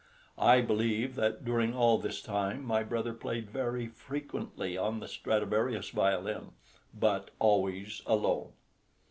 I believe that during all this time my brother played very frequently on the Stradivarius violin, but always alone.